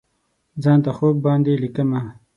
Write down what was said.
ځان ته خوب باندې لیکمه